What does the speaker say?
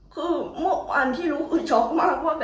คือโม่ขวานที่รู้ก็ช็อคมากว่าแบบ